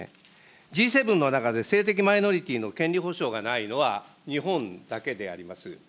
Ｇ７の中で性的マイノリティーの権利保障がないのは、日本だけであります。